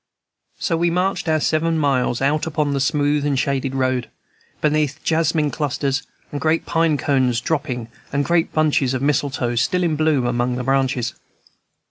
So we marched our seven miles out upon the smooth and shaded road, beneath jasmine clusters, and great pine cones dropping, and great bunches of misletoe still in bloom among the branches.